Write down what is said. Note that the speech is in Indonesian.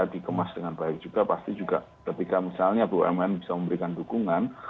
dikemas dengan baik juga pasti juga ketika misalnya bumn bisa memberikan dukungan